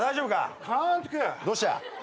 どうした？